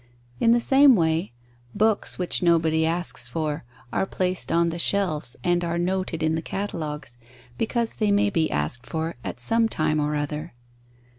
In the same way, books which nobody asks for are placed on the shelves and are noted in the catalogues, because they may be asked for at some time or other.